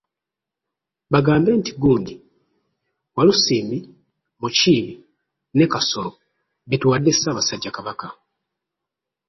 Bagambe nti gundi, Walusimbi, Mukiibi ne Kasolo be tuwadde Ssaabasajja Kabaka.